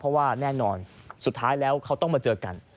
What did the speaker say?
เพราะว่าแน่นอนสุดท้ายแล้วเขาต้องมาเจอกัน